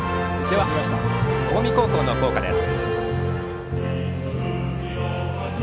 近江高校の校歌です。